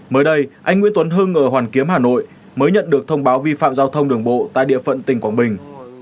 mới đây anh nguyễn tuấn hưng ở hoàn kiếm hà nội mới nhận được thông báo vi phạm giao thông đường bộ tại địa phận tỉnh quảng bình